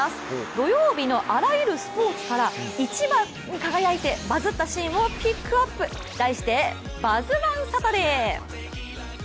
土曜日のあらゆるスポーツから１番に輝いてバズったシーンをピックアップ、題して「バズワンサタデー」！